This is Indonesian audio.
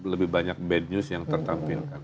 lebih banyak bad news yang tertampilkan